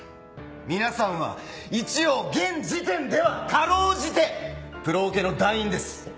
皆さんは一応現時点では辛うじてプロオケの団員です。